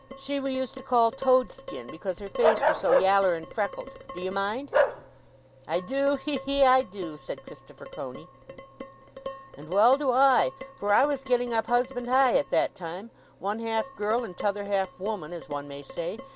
—she we used to call Toad skin, because her face were so yaller and freckled, do ye mind?" "I do, hee hee, I do!" said Christopher Coney. "And well do I—for I was getting up husband high at that time—one half girl, and t'other half woman, as one may say.